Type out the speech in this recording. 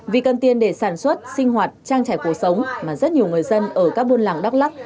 vì cần tiền để sản xuất sinh hoạt trang trải cuộc sống mà rất nhiều người dân ở các buôn làng đắk lắc